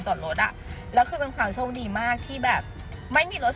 จอดรถอ่ะแล้วคือเป็นความโชคดีมากที่แบบไม่มีรถ